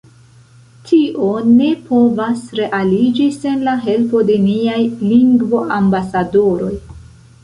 Tio ne povas realiĝi sen la helpo de niaj lingvoambasadoroj.